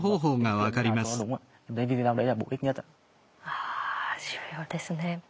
あ重要ですね。